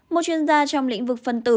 một chuyên gia trong lĩnh vực phân tử